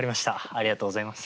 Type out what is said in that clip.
ありがとうございます。